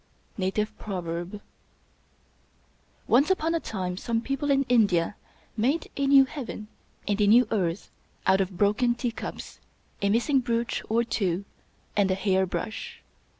— Native Proverb, Once upon a time some people in India made a new heaven and a new earth out of broken teacups, a miss ing brooch or two, and a hair brush.